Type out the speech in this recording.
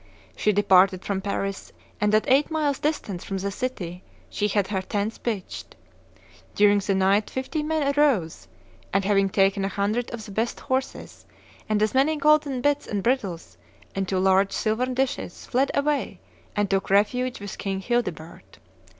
She departed from Paris, and at eight miles' distance front the city she had her tents pitched. During the night fifty men arose, and, having taken a hundred of the best horses and as many golden bits and bridles, and two large silvern dishes, fled away, and took refuge with king Childebert.